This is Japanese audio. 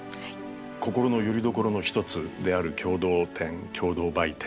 心のよりどころの一つである共同店共同売店。